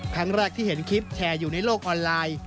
ครั้งแรกที่เห็นคลิปแชร์อยู่ในโลกออนไลน์